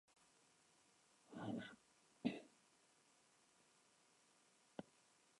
Concretamente se extraía cobre y plomo.